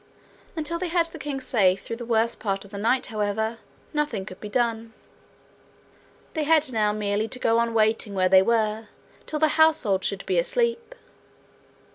Until they had the king safe through the worst part of the night, however, nothing could be done. They had now merely to go on waiting where they were till the household should be asleep.